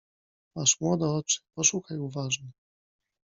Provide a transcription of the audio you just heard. Masz młode oczy, poszukaj uważnie.